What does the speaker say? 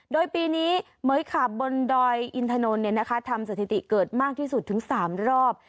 โดยปีนี้เหม๋ยขาบบนดอยอินทนนเนี้ยนะคะทำสถิติเกิดมากที่สุดถึงสามรอบ